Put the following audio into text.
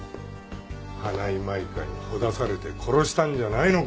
花井舞香にほだされて殺したんじゃないのか？